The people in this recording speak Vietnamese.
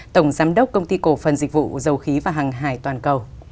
tổng giám đốc công ty cổ phần dịch vụ dầu khí và hàng hải toàn cầu